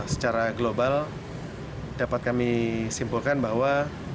secara global dapat kami simpulkan bahwa